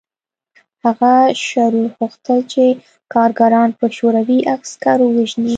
هغه شرور غوښتل چې کارګران په شوروي عسکرو ووژني